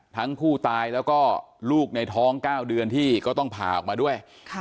ทั้งผู้ตายแล้วก็ลูกในท้อง๙เดือนที่ก็ต้องผ่าออกมาด้วย